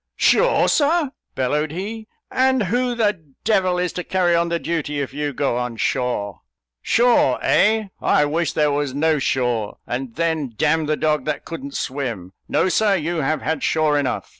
"Shore, Sir!" bellowed he "and who the devil is to carry on the duty, if you go on shore? Shore, eh! I wish there was no shore, and then d n the dog that couldn't swim! No, Sir; you have had shore enough.